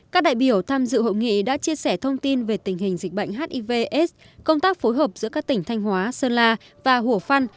các đại biểu tham dự hội nghị đã chia sẻ thông tin về tình hình dịch bệnh hiv aids công tác phối hợp giữa các tỉnh thanh hóa sơn la và hủa phăn